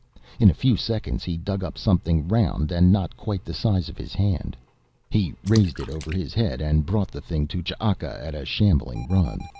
In a few seconds he dug up something round and not quite the size of his hand. He raised it over his head and brought the thing to Ch'aka at a shambling run.